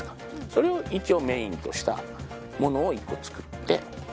それを一応メインとしたものを１個作って。